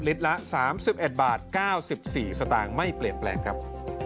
ลิตรละ๓๑บาท๙๔สตไม่เปลี่ยนแปลกครับ